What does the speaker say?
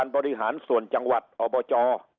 บริหารส่วนจังหวัดอบจ